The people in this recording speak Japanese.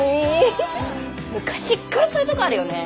昔っからそういうとこあるよね。